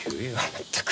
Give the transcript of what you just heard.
まったく。